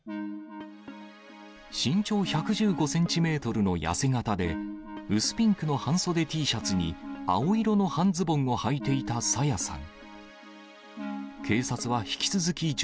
身長１１５センチメートルの痩せ形で、薄ピンクの半袖Ｔシャツに青色の半ズボンをはいていた朝芽さん。